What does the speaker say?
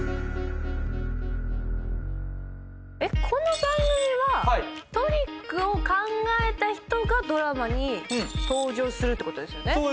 この番組はトリックを考えた人がドラマに登場するってことですよね？